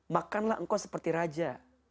makanlah engkau seperti raja